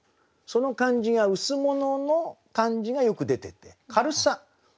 その感じが羅の感じがよく出てて軽さ動き